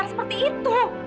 bukan seperti itu